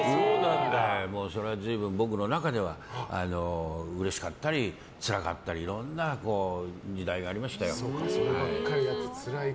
それは随分、僕の中ではうれしかったり辛かったりいろんな時代がありましたよ。